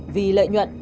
vì lợi nhuận